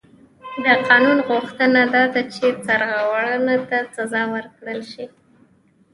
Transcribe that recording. د قانون غوښتنه دا ده چې سرغړونکي ته سزا ورکړل شي.